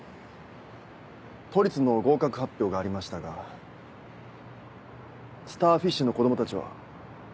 都立の合格発表がありましたがスターフィッシュの子供たちは。